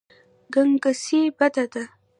ګنګسي بده ده.